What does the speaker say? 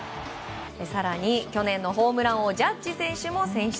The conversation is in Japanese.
更に去年ホームラン王アーロン・ジャッジ選手も選出。